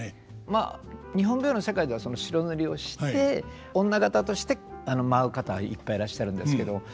まあ日本舞踊の世界では白塗りをして女方として舞う方いっぱいいらっしゃるんですけど。